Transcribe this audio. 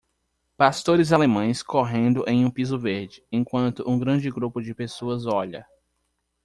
Pastores alemães correndo em um piso verde, enquanto um grande grupo de pessoas olhar.